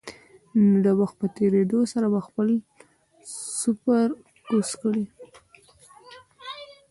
نو د وخت په تېرېدو سره به خپل سپر کوز کړي.